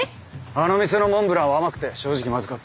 あの店のモンブランは甘くて正直まずかった。